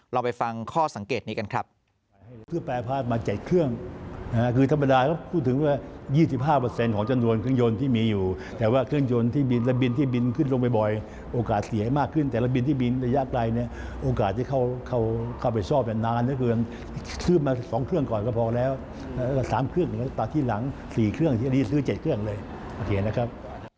เราไปฟังข้อสังเกตนี้กันครับ